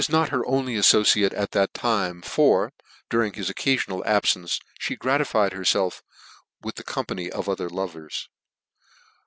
157 not her only affociate at that time; for, during his occafional abfence, (he gratified herielf with the company of oiher lovers.